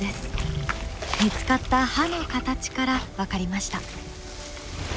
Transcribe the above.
見つかった歯の形から分かりました。